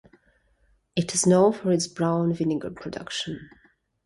It is known for its brown vinegar production.